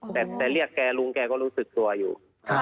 แต่เรียกแกลุงแกก็รู้สึกตัวอยู่